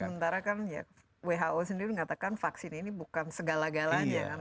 sementara kan ya who sendiri mengatakan vaksin ini bukan segala gala aja kan